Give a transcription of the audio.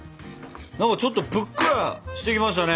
何かちょっとぷっくらしてきましたね。